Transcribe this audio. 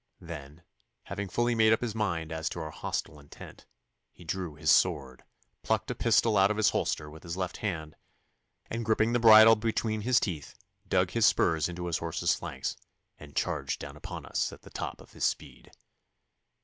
Then, having fully made up his mind as to our hostile intent, he drew his sword, plucked a pistol out of his holster with his left hand, and gripping the bridle between his teeth, dug his spurs into his horse's flanks and charged down upon us at the top of his speed.